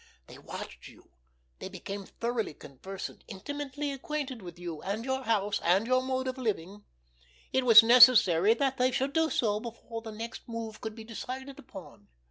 They watched you, they became thoroughly conversant, intimately acquainted with you, and your house, and your mode of living. It was necessary that they should do so before the next move could be decided upon.